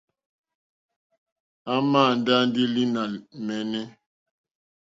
À màà ndá ndí línì mɛ́ɛ́nɛ́.